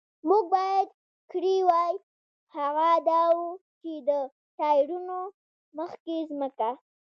موږ باید کړي وای، هغه دا و، چې د ټایرونو مخکې ځمکه.